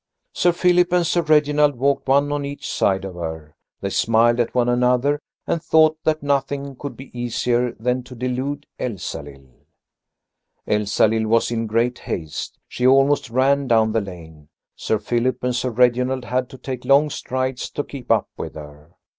Sir Philip and Sir Reginald walked one on each side of her. They smiled at one another and thought that nothing could be easier than to delude Elsalill. Elsalill was in great haste; she almost ran down the lane. Sir Philip and Sir Reginald had to take long strides to keep up with her.